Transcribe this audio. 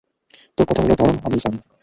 তোর কথা বলার ধরণ আমি জানি।